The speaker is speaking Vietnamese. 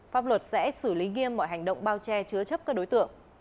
pháp luật sẽ xử lý nghiêm mọi hành động bao che chứa chấp các đối tượng